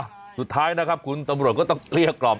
หลัดสุดท้ายนะครับขุมตำโรจก็ต้องเรียกกรอบ